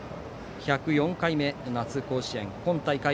１０４回目、夏甲子園今大会